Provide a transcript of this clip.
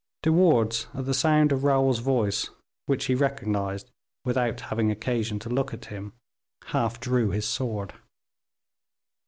De Wardes, at the sound of Raoul's voice, which he recognized without having occasion to look at him, half drew his sword.